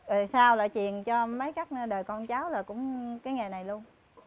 rồi sau là truyền cho mấy các đời con cháu là cũng cái nghề này luôn